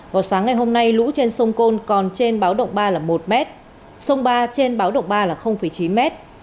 hồi sáng ngày hôm nay lũ trên sông côn còn trên báo động ba là một mét sông ba trên báo động ba là chín mét